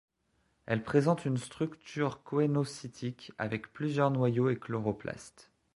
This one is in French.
Elle présente une structure coénocytique avec plusieurs noyaux et chloroplastes.